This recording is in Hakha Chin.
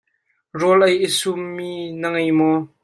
Rawl ei i sum mi na ngei maw?